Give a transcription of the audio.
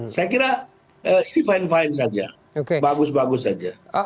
saya kira ini fine fine saja bagus bagus saja